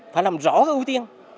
phải làm rõ cái ưu tiên